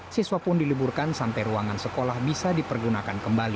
siswa pun diliburkan sampai ruangan sekolah bisa dipergunakan kembali